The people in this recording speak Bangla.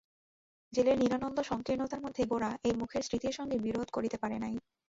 জেলের নিরানন্দ সংকীর্ণতার মধ্যে গোরা এই মুখের স্মৃতির সঙ্গে বিরোধ করিতে পারে নাই।